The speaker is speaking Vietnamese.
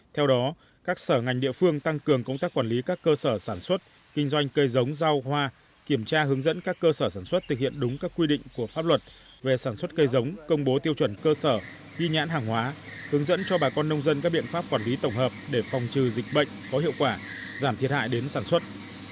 theo đó các sở ngành địa phương tăng cường công tác quản lý các cơ sở sản xuất kinh doanh cây giống rau hoa kiểm tra hướng dẫn các cơ sở sản xuất thực hiện đúng các quy định của pháp luật về sản xuất cây giống công bố tiêu chuẩn cơ sở ghi nhãn hàng hóa hướng dẫn cho bà con nông dân các biện pháp quản lý tổng hợp để phòng trừ dịch bệnh có hiệu quả giảm thiệt hại đến sản xuất